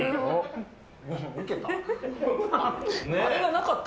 ウケた？